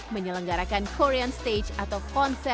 menyelenggarakan korean stage atau konser